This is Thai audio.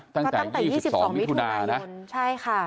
ตั้งแต่๒๒วิทุนาตั้งแต่๒๒วิทุนาใช่ค่ะ